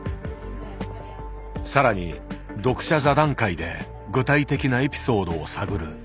さらに読者座談会で具体的なエピソードを探る。